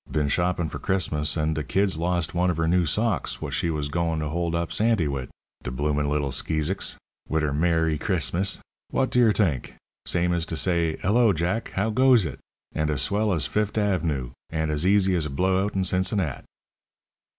Been shoppin' for Chrismus, and de kid's lost one of her new socks w'ot she was goin' to hold up Santy wid. De bloomin' little skeezicks! Wit' her 'Mer ry Chris mus!' W'ot d' yer t'ink! Same as to say, 'Hello, Jack, how goes it?' and as swell as Fift' Av'noo, and as easy as a blowout in Cincinnat."